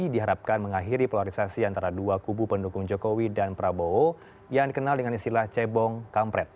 diharapkan mengakhiri polarisasi antara dua kubu pendukung jokowi dan prabowo yang dikenal dengan istilah cebong kampret